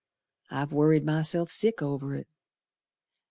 I've worried myself sick over it.